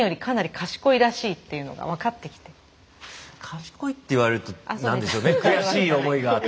賢いって言われると何でしょうね悔しい思いがあって。